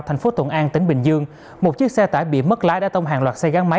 thành phố thuận an tỉnh bình dương một chiếc xe tải bị mất lái đã tông hàng loạt xe gắn máy